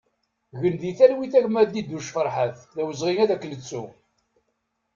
Gen di talwit a gma Diduc Ferḥat, d awezɣi ad k-nettu!